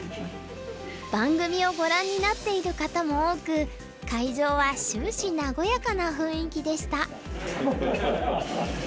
番組をご覧になっている方も多く会場は終始和やかな雰囲気でした。